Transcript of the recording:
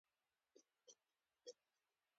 مرکب عبارت څو خیالونه لري.